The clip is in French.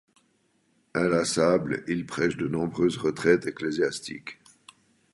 Inlassable, il prêche de nombreuses retraites ecclésiastiques.